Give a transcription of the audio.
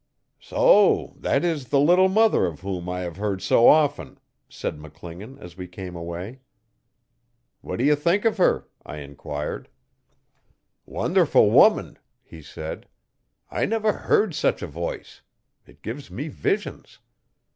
'So that is "The Little Mother" of whom I have heard so often,' said McClingan, as we came away. 'What do you think of her?' I enquired. 'Wonderful woman!' he said. 'I never heard such a voice. It gives me visions.